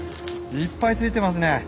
いっぱいついてますね。